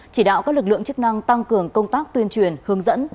chỉ đạo các lực lượng chức năng tăng cường công tác tuyên truyền hướng dẫn